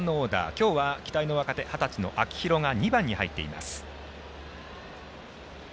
今日は期待の若手二十歳の秋広が２番に入っています。